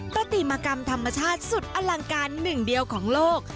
ปฏิมากรรมธรรมชาติสุดอลังการหนึ่งเดียวของโลก